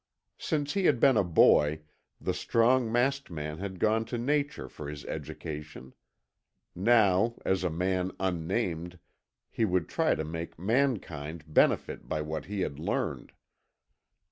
Since he had been a boy, the strong masked man had gone to nature for his education. Now, as a man unnamed, he would try to make mankind benefit by what he had learned.